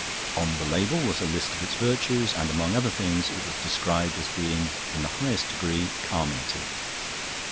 On the label was a list of its virtues, and among other things it was described as being in the highest degree carminative.